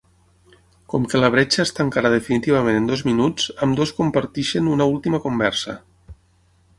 Com que la bretxa es tancarà definitivament en dos minuts, ambdós comparteixen una última conversa.